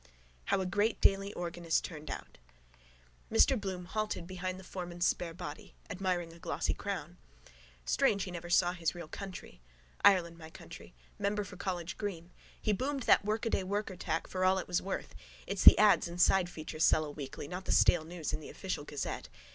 HOW A GREAT DAILY ORGAN IS TURNED OUT Mr Bloom halted behind the foreman's spare body, admiring a glossy crown. Strange he never saw his real country. Ireland my country. Member for College green. He boomed that workaday worker tack for all it was worth. It's the ads and side features sell a weekly, not the stale news in the official gazette.